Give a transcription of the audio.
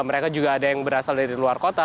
mereka juga ada yang berasal dari luar kota